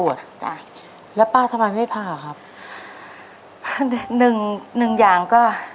จ้ะแล้วป้าทำไมไม่ผ่าครับหนึ่งหนึ่งอย่างก็